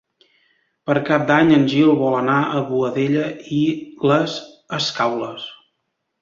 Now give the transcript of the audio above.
Per Cap d'Any en Gil vol anar a Boadella i les Escaules.